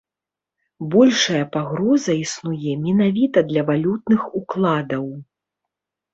Большая пагроза існуе менавіта для валютных укладаў.